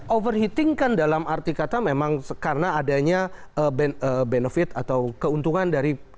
overheating kan dalam arti kata memang karena adanya benefit atau keuntungan dari